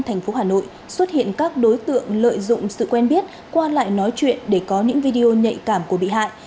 thành phố hà nội xuất hiện các đối tượng lợi dụng sự quen biết qua lại nói chuyện để có những video nhạy cảm của bị hại